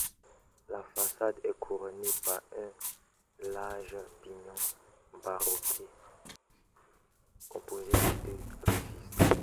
La façade est couronnée par un large pignon baroque composé de deux registres.